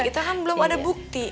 kita kan belum ada bukti